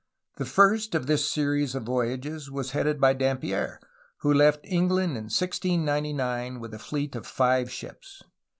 The first of this series of voyages was headed by Dampier, who left England in 1699 with a fleet of five ships.